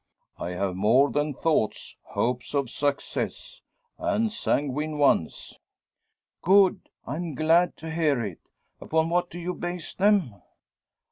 "I have; more than thoughts hopes of success and sanguine ones." "Good! I'm glad to hear it. Upon what do you base them?"